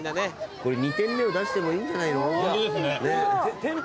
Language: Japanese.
これ２店目を出してもいいんじゃないの？